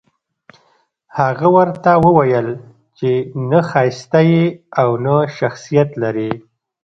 هغه ورته وويل چې نه ښايسته يې او نه شخصيت لرې.